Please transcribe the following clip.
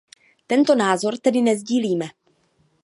Tento názor tedy nesdílíme.